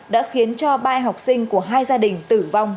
đã khiến cho ba em học sinh của hai gia đình tử vong